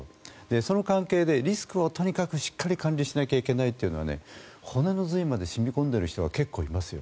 その関係でリスクをとにかくしっかり管理しなきゃいけないというのは骨の髄まで染み込んでいる人が結構いますよ。